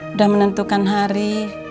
udah menentukan hari